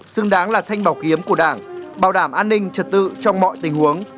xứng đáng là thanh bảo kiếm của đảng bảo đảm an ninh trật tự trong mọi tình huống